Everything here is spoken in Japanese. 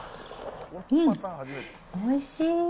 おいしい。